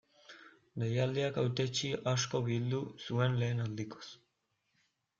Deialdiak hautetsi asko bildu zuen lehen aldikoz.